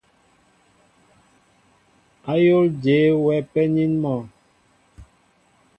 Ayól jeé wɛ penin mɔ?